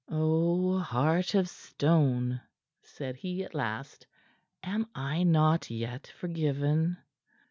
"Oh, heart of stone!" said he at last. "Am I not yet forgiven?"